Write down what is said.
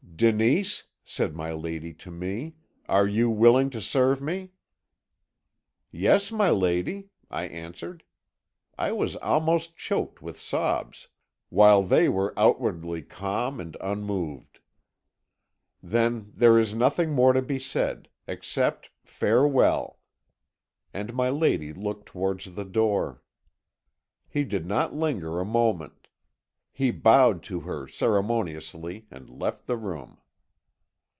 "'Denise,' said my lady to me, 'are you willing to serve me?' "'Yes, my lady,' I answered. I was almost choked with sobs, while they were outwardly calm and unmoved. "'Then there is nothing more to be said except farewell.' And my lady looked towards the door. "He did not linger a moment. He bowed to her ceremoniously, and left the room.